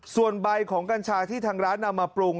ส่วนใบของกัญชาที่ทางร้านนำมาปรุง